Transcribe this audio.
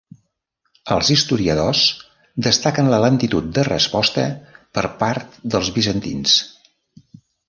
Els historiadors destaquen la lentitud de resposta per part dels bizantins.